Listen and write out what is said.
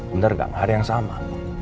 bener gak ada yang sama